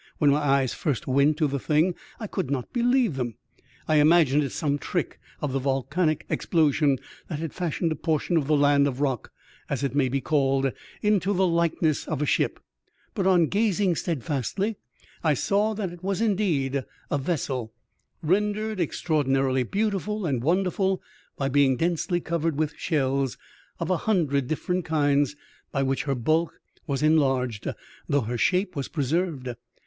"When my eyes first went to the thing I could not believe them. I imagined it some trick of the volcanic explosion that had fashioned a portion of the land or rock (as it may be called) into the likeness of a ship ; but on gazing steadfastly I saw that it was indeed a vessel, rendered extraordinarily beautiful and wonderful, by being densely covered with shells, of a hundred different kinds, by which her bulk was (enlarged though her shape was preserved.